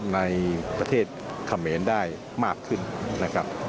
ในประเทศเขมรได้มากขึ้นนะครับ